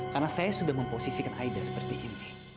karena saya sudah memposisikan aida seperti ini